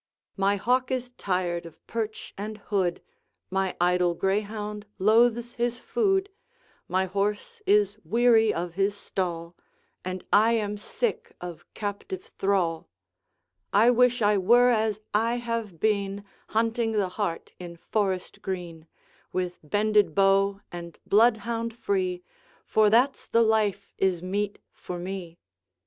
'My hawk is tired of perch and hood, My idle greyhound loathes his food, My horse is weary of his stall, And I am sick of captive thrall. I wish I were as I have been, Hunting the hart in forest green, With bended bow and bloodhound free, For that's the life is meet for me.